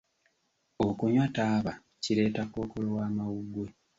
Okunywa taaba kireeta Kkookolo w'amawuggwe.